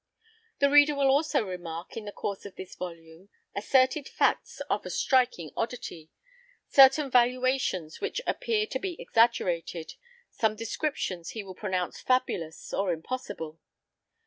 The reader will also remark, in the course of this volume, asserted facts of a striking oddity, certain valuations which appear to be exaggerated, some descriptions he will pronounce fabulous or impossible.